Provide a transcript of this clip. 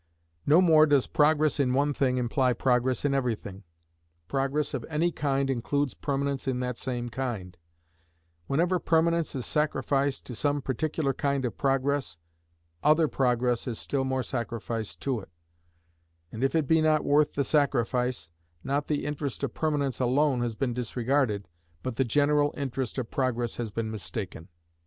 No more does Progress in one thing imply Progress in every thing. Progress of any kind includes Permanence in that same kind: whenever Permanence is sacrificed to some particular kind of Progress, other Progress is still more sacrificed to it; and if it be not worth the sacrifice, not the interest of Permanence alone has been disregarded, but the general interest of Progress has been mistaken.